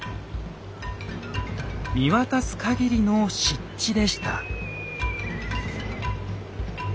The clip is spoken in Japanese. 見渡す限りの湿地でした。